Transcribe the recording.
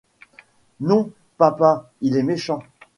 Non, papa, il est méchant.